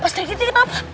pas trik itik kenapa